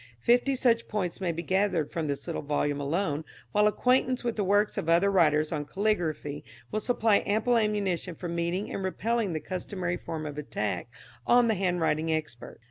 Fifty such points may be gathered from this little volume alone, while acquaintance with the works of other writers on caligraphy will supply ample ammunition for meeting and repelling the customary form of attack on the handwriting expert.